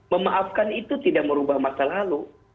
memaafkan itu tidak merubah maksud